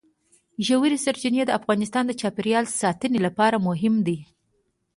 ژورې سرچینې د افغانستان د چاپیریال ساتنې لپاره مهم دي.